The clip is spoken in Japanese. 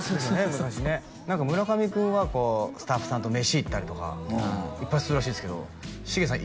昔ね何か村上くんはこうスタッフさんと飯行ったりとかいっぱいするらしいですけどシゲさん